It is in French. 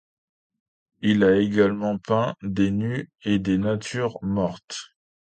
Il a également peint des nus et des natures mortes.